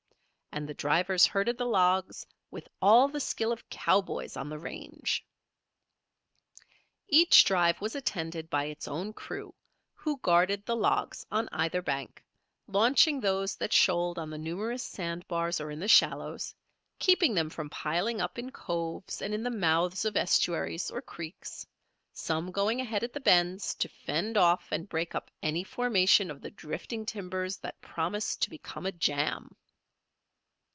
And the drivers herded the logs with all the skill of cowboys on the range. Each drive was attended by its own crew, who guarded the logs on either bank, launching those that shoaled on the numerous sandbars or in the shallows, keeping them from piling up in coves and in the mouths of estuaries, or creeks, some going ahead at the bends to fend off and break up any formation of the drifting timbers that promised to become a jam.